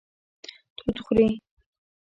توت خوري